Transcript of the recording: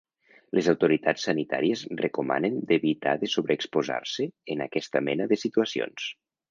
Les autoritats sanitàries recomanen d’evitar de sobreexposar-se en aquesta mena de situacions.